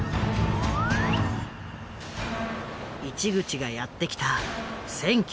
市口がやって来た１９６０年代。